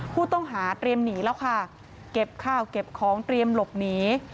ผู้ต้องหาเตรียมหนีแล้วค่ะเก็บข้าวเก็บของเตรียมหลบหนี